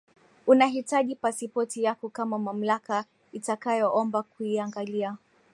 Unahitaji pasipoti yako kama mamlaka itakayoomba kuiangalia